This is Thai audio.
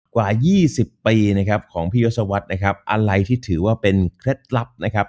กว่า๒๐ปีนะครับของพี่ยศวรรษนะครับอะไรที่ถือว่าเป็นเคล็ดลับนะครับ